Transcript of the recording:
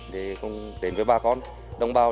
để cùng đến với bà con đồng bào